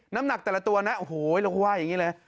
น้ำหนักแต่ละตัวนะโอ้โหเราก็ว่าอย่างนี้เลย